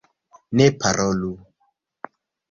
Ne parolu!